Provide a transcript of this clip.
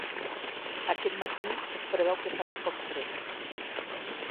Aquest matí es preveu que farà poc fred.